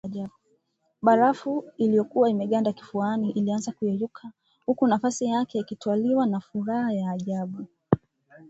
Barafu iliyokuwa imeganda vifuani, ilianza kuyeyuka huku nafasi yake ikitwaliwa na furaha ya ajabu